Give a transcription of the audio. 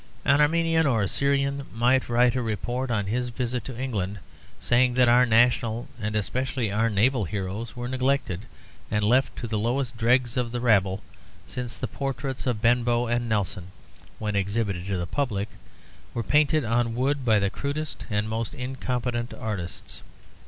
An Armenian or a Syrian might write a report on his visit to England, saying that our national and especially our naval heroes were neglected, and left to the lowest dregs of the rabble; since the portraits of Benbow and Nelson, when exhibited to the public, were painted on wood by the crudest and most incompetent artists.